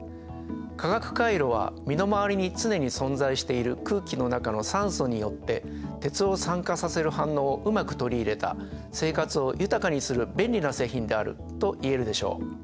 化学カイロは身の回りに常に存在している空気の中の酸素によって鉄を酸化させる反応をうまく取り入れた生活を豊かにする便利な製品であると言えるでしょう。